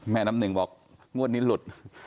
น้ำหนึ่งบอกงวดนี้หลุด